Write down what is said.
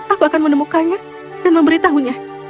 aku akan menemukannya dan memberitahunya